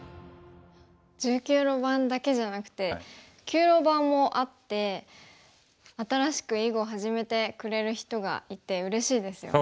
１９路盤だけじゃなくて９路盤もあって新しく囲碁を始めてくれる人がいてうれしいですよね。